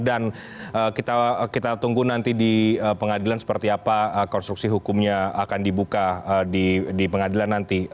dan kita tunggu nanti di pengadilan seperti apa konstruksi hukumnya akan dibuka di pengadilan nanti